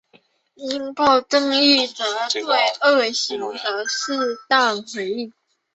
应报正义着重对恶行的适当回应。